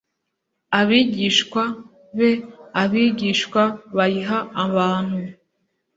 abigishwa be abigishwa bayiha abantu